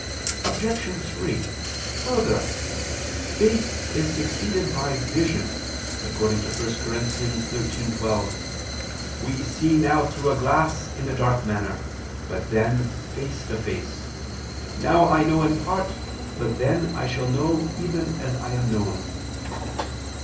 Obj. 3: Further, faith is succeeded by vision, according to 1 Cor. 13:12: "We see now through a glass in a dark manner; but then face to face. Now I know in part; but then I shall know even as I am known."